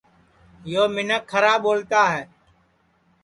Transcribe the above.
یو منکھ کھرا ٻولتا ہے